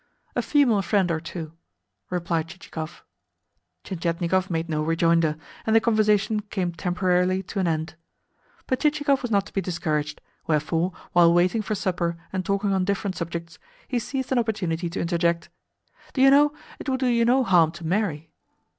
"A female friend or two," replied Chichikov. Tientietnikov made no rejoinder, and the conversation came temporarily to an end. But Chichikov was not to be discouraged; wherefore, while waiting for supper and talking on different subjects, he seized an opportunity to interject: "Do you know, it would do you no harm to marry."